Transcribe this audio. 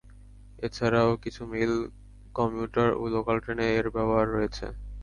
এছাড়াও কিছু মেইল/কমিউটার ও লোকাল ট্রেনে এর ব্যবহার রয়েছে।